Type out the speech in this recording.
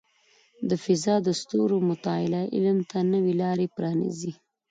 د فضاء د ستورو مطالعه علم ته نوې لارې پرانیزي.